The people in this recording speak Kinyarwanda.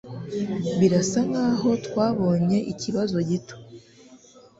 Birasa nkaho twabonye ikibazo gito